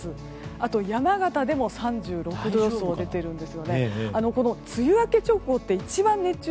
あと山形でも３６度予想が出ているんです。